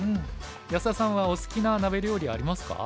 安田さんはお好きな鍋料理ありますか？